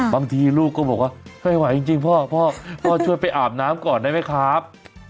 บางทีลูกก็บอกว่าไม่ไหวจริงพ่อพ่อช่วยไปอาบน้ำก่อนได้ไหมครับ